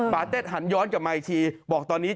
ปาเต็ดหันย้อนกลับมาอีกที